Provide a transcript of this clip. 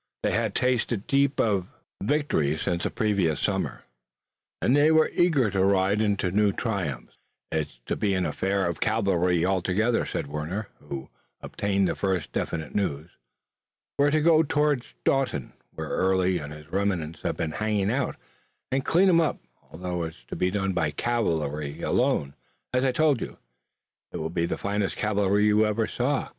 They had tasted deep of victory since the previous summer, and they were eager to ride to new triumphs. "It's to be an affair of cavalry altogether," said Warner, who obtained the first definite news. "We're to go toward Staunton, where Early and his remnants have been hanging out, and clean 'em up. Although it's to be done by cavalry alone, as I told you, it'll be the finest cavalry you ever saw."